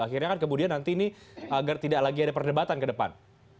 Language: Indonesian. akhirnya kan kemudian nanti ini agar tidak lagi ada perdebatan ke depan